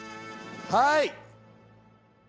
はい！